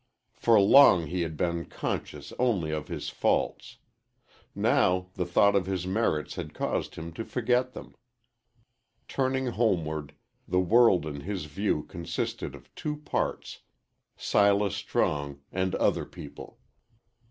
For long he had been conscious only of his faults. Now the thought of his merits had caused him to forget them. Turning homeward, the world in his view consisted of two parts Silas Strong and other people.